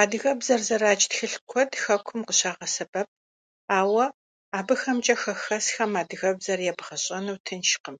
Адыгэбзэр зэрадж тхылъ куэд хэкум къыщагъэсэбэп, ауэ абыхэмкӀэ хэхэсхэм адыгэбзэр ебгъэщӀэну тыншкъым.